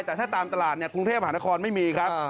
แต่ถ้าตามตลาดกรุงเทพหานครไม่มีครับ